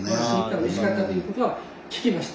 うれしかったということは聞きました。